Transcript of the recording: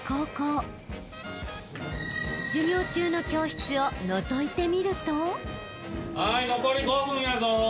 ［授業中の教室をのぞいてみると］